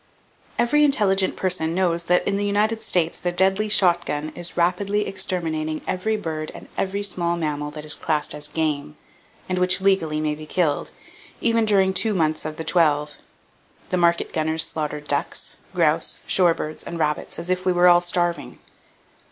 Every intelligent person knows that in the United States the deadly shot gun is rapidly exterminating every bird and every small mammal that is classed as "game," and which legally may be killed, even during two months of the twelve. The market gunners slaughter ducks, grouse, shore birds and rabbits as if we were all starving.